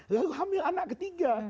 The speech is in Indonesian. lalu hamil anak ketiga